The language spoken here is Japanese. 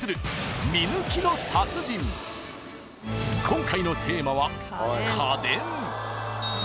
［今回のテーマは］